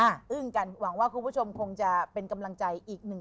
อึ้งกันหวังว่าคุณผู้ชมคงจะเป็นกำลังใจอีกหนึ่ง